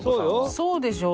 そうでしょう？